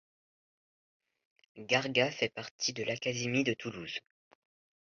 Gargas fait partie de l'académie de Toulouse.